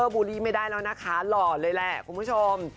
บูลลี่ไม่ได้แล้วนะคะหล่อเลยแหละคุณผู้ชม